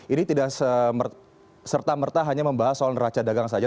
ini tidak serta merta hanya membahas soal neraca dagang saja